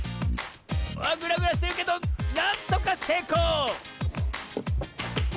あっグラグラしてるけどなんとかせいこう！